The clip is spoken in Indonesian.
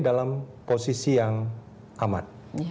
dalam posisi yang amat